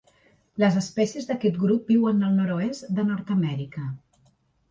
Les espècies d'aquest grup viuen al nord-oest de Nord-amèrica.